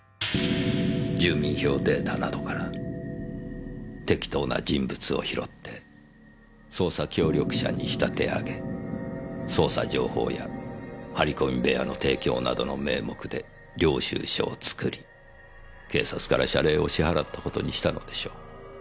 住民票データなどから適当な人物を拾って捜査協力者に仕立て上げ捜査情報や張り込み部屋の提供などの名目で領収書を作り警察から謝礼を支払った事にしたのでしょう。